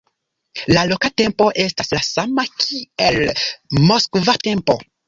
La loka tempo estas la sama kiel moskva tempo.